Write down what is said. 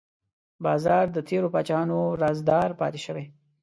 باز د تیرو پاچاهانو رازدار پاتې شوی